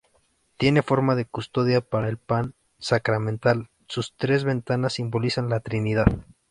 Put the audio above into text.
Tiene forma de custodia para el pan sacramental; sus tres ventanas simbolizan la Trinidad.